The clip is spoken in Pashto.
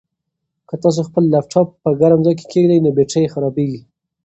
که تاسو خپل لپټاپ په ګرم ځای کې کېږدئ نو بېټرۍ یې خرابیږي.